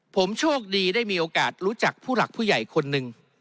ผมโชคดีได้มีโอกาสรู้จักผู้หลักผู้ใหญ่คนหนึ่ง